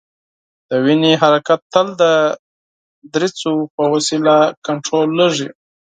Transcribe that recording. د وینې حرکت تل د دریڅو په وسیله کنترولیږي.